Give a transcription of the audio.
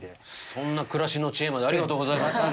そんな暮らしの知恵までありがとうございます。